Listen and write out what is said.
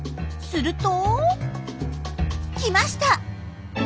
すると来ました！